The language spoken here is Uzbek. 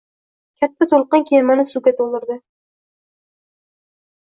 Katta to'lqin kemani suvga to‘ldirdi